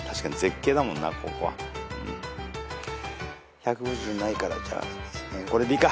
１５０ないからこれでいいか。